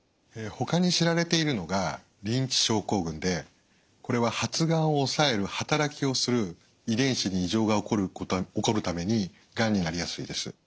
ほかに知られているのがリンチ症候群でこれは発がんを抑える働きをする遺伝子に異常が起こるためにがんになりやすいです。